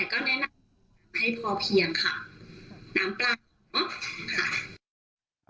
แต่ก็แนะนำให้พอเพียงค่ะน้ำเปล่าค่ะ